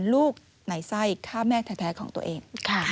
ลูกในไส้ฆ่าแม่แท้ของตัวเอง